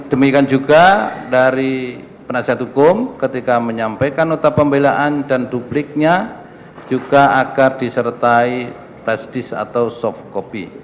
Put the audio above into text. demikian juga dari penasihat hukum ketika menyampaikan nota pembelaan dan dupliknya juga agar disertai flash disk atau soft copy